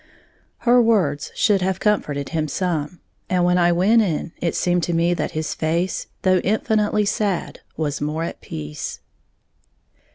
Her words should have comforted him some; and when I went in, it seemed to me that his face, though infinitely sad, was more at peace.